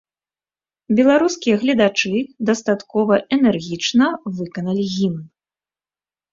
Беларускія гледачы дастаткова энергічна выканалі гімн.